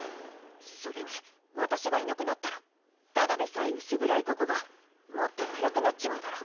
それに私がいなくなったらただでさえ薄暗いここがもっと暗くなっちまうだろ。